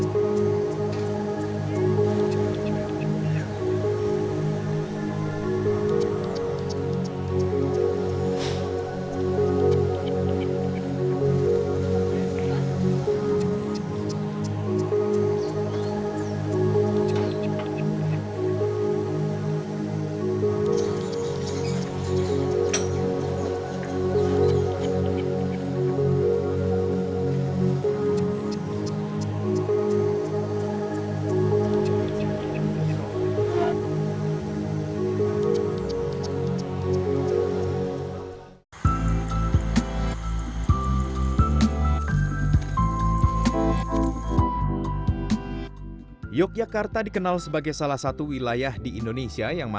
sampai jumpa di video selanjutnya